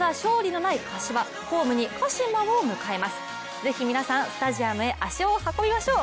ぜひ皆さんスタジアムへ足を運びましょう。